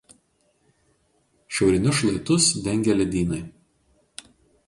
Šiaurinius šlaitus dengia ledynai.